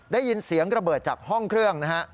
ได้ยินเสียงระเบิดจากห้องเครื่องนะฮะ